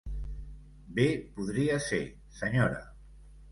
Bé podria ser, senyora;